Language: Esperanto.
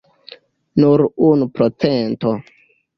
Nur unu procento!